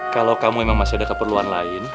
kalau kamu memang masih ada keperluan lain